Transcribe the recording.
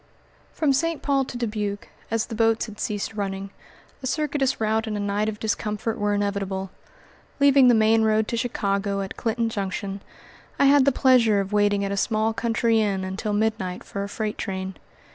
From St. Paul to Dubuque, as the boats had ceased running, a circuitous route and a night of discomfort were inevitable. Leaving the main road to Chicago at Clinton Junction, I had the pleasure of waiting at a small country inn until midnight for a freight train.